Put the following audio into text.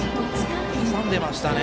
挟んでましたね。